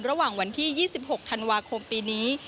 ระหว่างวันที่๒๖ธันวาคมปีนี้